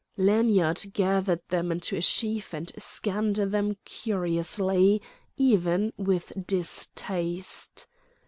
Lanyard gathered them into a sheaf and scanned them cursorily, even with distaste.